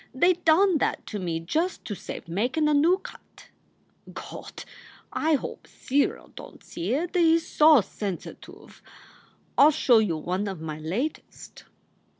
They done that to me just to save makin* a noo cut. Gawd! I hope Cyril don t see it. He s so sensatuv. I ll show you one of my latest."